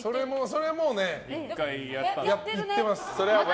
それ、１回いってます。